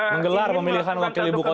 menggelar pemilihan wakil ibu kota